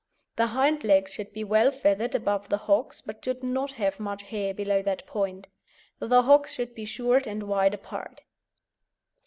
The hind legs should be well feathered above the hocks, but should not have much hair below that point. The hocks should be short and wide apart.